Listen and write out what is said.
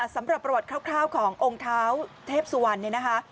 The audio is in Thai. สำหรับประวัติคร่าวขององค์เท้าเทพสุวรรณ